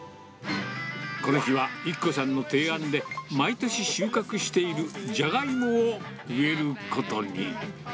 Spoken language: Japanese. この日は、由希子さんの提案で、毎年収穫しているジャガイモを植えることに。